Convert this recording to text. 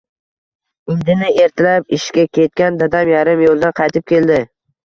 Indini ertalab ishga ketgan dadam yarim yo‘ldan qaytib keldi.